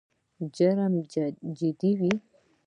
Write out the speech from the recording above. جرم جدي وي.